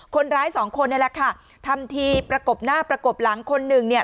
คนร้ายสองคนนี่แหละค่ะทำทีประกบหน้าประกบหลังคนหนึ่งเนี่ย